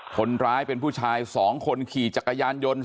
คนร้ายเป็นผู้ชาย๒คนขี่จักรยานยนต์